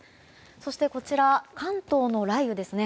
そして、関東の雷雨ですね。